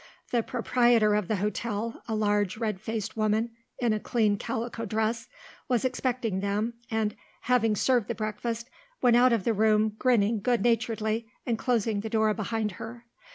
The proprietor of the hotel, a large red faced woman in a clean calico dress, was expecting them and, having served the breakfast, went out of the room grinning good naturedly and closing the door behind her.